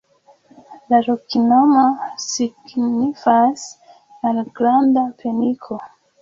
La loknomo signifas: malgranda-peniko.